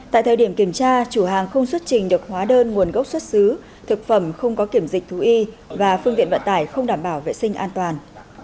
tại thời điểm kiểm tra chủ hàng không xuất trình được hóa đơn nguồn gốc xuất xứ thực phẩm không có kiểm dịch thú y và phương tiện vận tải không đảm bảo vệ sinh an toàn